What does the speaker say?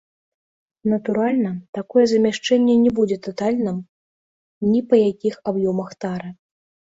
Натуральна, такое замяшчэнне не будзе татальным ні па якіх аб'ёмах тары.